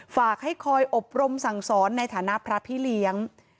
ฝากให้คอยอบรมสั่งสอนในฐานะพระพี่เลี้ยง